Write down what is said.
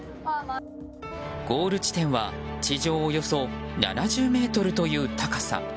ゴール地点は地上およそ７０ｍという高さ。